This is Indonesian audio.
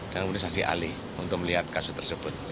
dan saksi alih untuk melihat kasus tersebut